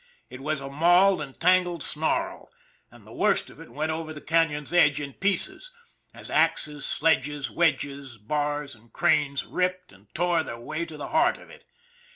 It was a mauled and tangled snarl, and the worst of it went over the canon's edge in pieces, as axes, sledges, wedges, bars and cranes ripped and tore their way to the heart of it.